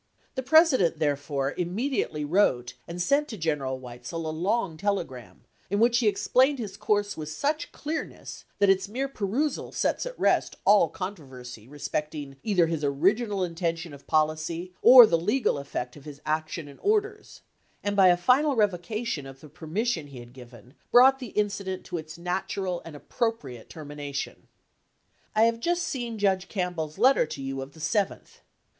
The President therefore immediately wrote and sent to General Weitzel a long telegram, in which he explained his course with such clearness that its mere perusal sets at rest all controversy respect ing either his original intention of policy or the legal effect of his action and orders, and by a final revocation of the permission he had given brought the incident to its natural and appropriate ter mination : I have just seen Judge Campbell's letter to you of the 7th.